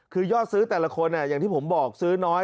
คือยอดซื้อแต่ละคนอย่างที่ผมบอกซื้อน้อย